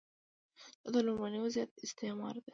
دا د لومړني وضعیت استعاره ده.